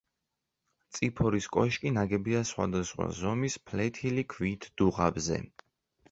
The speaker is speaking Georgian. წიფორის კოშკი ნაგებია სხვადასხვა ზომის ფლეთილი ქვით, დუღაბზე.